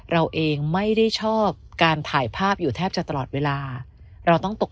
เราเองไม่ได้ชอบการถ่ายภาพอยู่แทบจะตลอดเวลาเราต้องตก